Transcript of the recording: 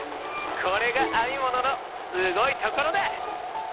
これが編み物のすごいところだ！